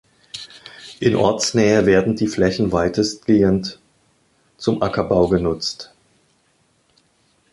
In Ortsnähe werden die Flächen weitestgehend zum Ackerbau genutzt.